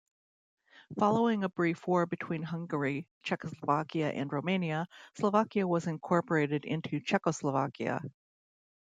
Following a brief war between Hungary, Czechoslovakia and Romania, Slovakia was incorporated into Czechoslovakia.